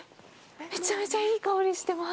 めちゃめちゃいい香りしてます。